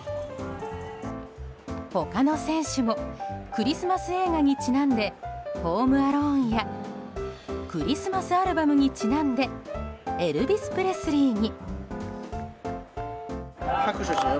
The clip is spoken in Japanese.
他の選手もクリスマス映画にちなんで「ホーム・アローン」やクリスマスアルバムにちなんでエルヴィス・プレスリーに。